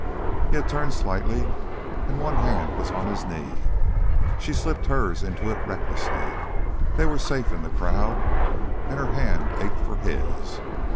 He had turned slightly, and one hand was on his knee. She slipped hers into it recklessly; they were safe in the crowd, and her hand ached for his.